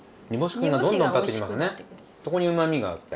そこにうまみがあって。